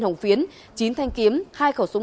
hồng phiến chín thanh kiếm hai khẩu súng